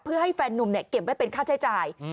เพื่อให้แฟนนุ่มเก็บไว้เป็นค่าใช้จ่าย